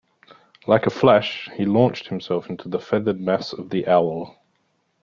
Like a flash he launched himself into the feathered mass of the owl.